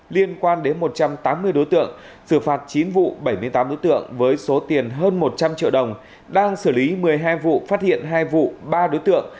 liên quan đến một trăm tám mươi đối tượng xử phạt chín vụ bảy mươi tám đối tượng với số tiền hơn một trăm linh triệu đồng đang xử lý một mươi hai vụ phát hiện hai vụ ba đối tượng